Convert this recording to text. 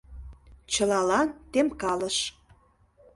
Чылалан темкалыш.